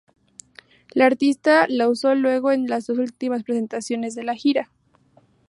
La artista la usó luego en las dos últimas presentaciones de la gira.